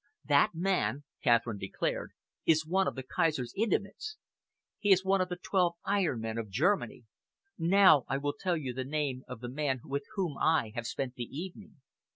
"That man," Catherine declared, "is one of the Kaiser's intimates. He is one of the twelve iron men of Germany. Now I will tell you the name of the man with whom I, have spent the evening.